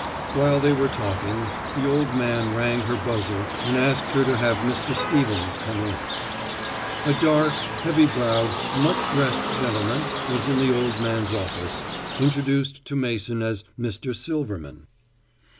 While they were talking the old man rang her buzzer and asked her to have Mr. Stevens come in. A dark, beaked, heavy browed, much dressed gentleman was in the old man's office, introduced to Mason as Mr. Silverman.